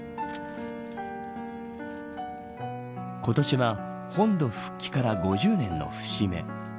今年は本土復帰から５０年の節目。